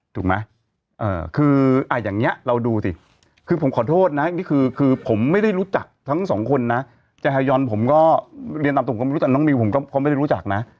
ถูกไหมคืออย่างนี้เราดูสิคือผมขอโทษนะนี่คือคือผมไม่ได้รู้จักทั้งสองคนนะใจฮายอนผมก็เรียนตามตัวผมก็ไม่รู้แต่น้องมิวผมก็ไม่ได้รู้จักนะ